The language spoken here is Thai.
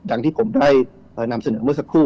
อย่างที่ผมได้นำเสนอเมื่อสักครู่